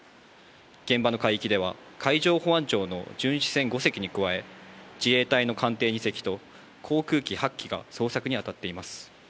現場の海域では、海上保安庁の巡視船５隻に加え、自衛隊の艦艇２隻と航空機８機が捜索に当たっています。